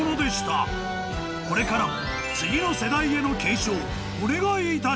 ［これからも］